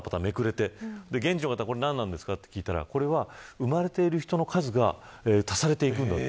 現地の方に何なんですか、と聞いたらこれは、生まれている人の数が足されていくんだと。